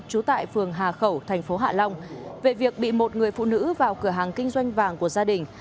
trú tại phường hà khẩu thành phố hạ long về việc bị một người phụ nữ vào cửa hàng kinh doanh vàng của gia đình